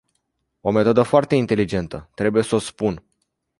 O metodă foarte inteligentă, trebuie s-o spun.